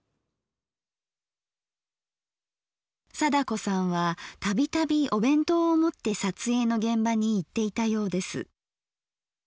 貞子さんは度々お弁当を持って撮影の現場に行っていたようです。